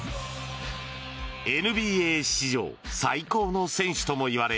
ＮＢＡ史上最高の選手ともいわれ